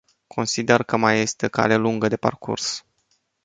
Consider că mai este cale lungă de parcurs.